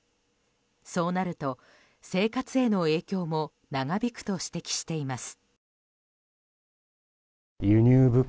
そうなると生活への影響も長引くと指摘しています。